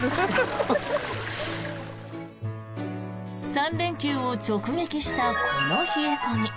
３連休を直撃したこの冷え込み。